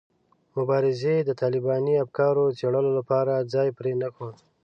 مبارزې د طالباني افکارو څېړلو لپاره ځای پرې نه ښود.